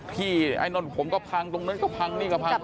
ไอ้นั่นผมก็พังตรงนั้นก็พังนี่ก็พัง